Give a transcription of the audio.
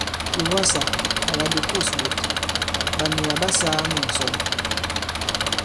Ɓè wasā àlà ɓè kûs ɓòt ɓà nì là ɓalà saa mu ŋ̀sɔn.